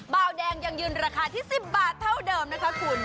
เบาแดงยังยืนราคาที่๑๐บาทเท่าเดิมนะคะคุณ